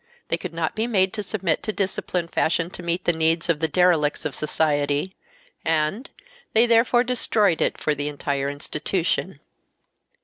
. they could not be made to submit to discipline fashioned to meet the needs of the derelicts of society, and ... they therefore destroyed it for the entire institution."